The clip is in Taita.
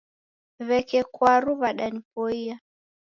W'eke kwaru wadanipoia.